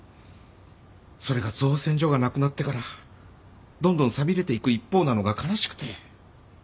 それが造船所がなくなってからどんどん寂れていく一方なのが悲しくて。